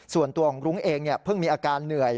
ส่วนตัวของรุ้งเองเพิ่งมีอาการเหนื่อย